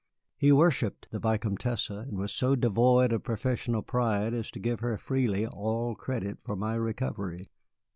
He worshipped the Vicomtesse, and was so devoid of professional pride as to give her freely all credit for my recovery.